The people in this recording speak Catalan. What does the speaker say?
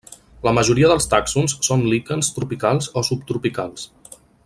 La majoria dels tàxons són líquens tropicals o subtropicals.